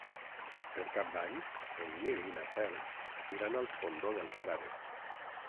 Per Cap d'Any en Nil i na Cel aniran al Fondó dels Frares.